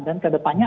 dan ke depannya